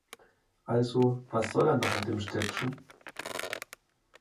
Also, was soll er noch in dem Städtchen?